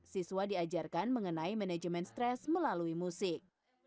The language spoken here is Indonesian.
siswa diajarkan mengenai manajemen stres melalui musik